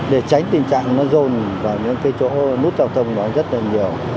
để tránh tình trạng nó dồn vào những cái chỗ nút giao thông đó rất là nhiều